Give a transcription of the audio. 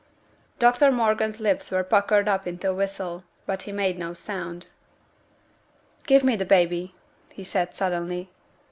Dr Morgan's lips were puckered up into a whistle, but he made no sound. 'Give me baby!' he said, suddenly.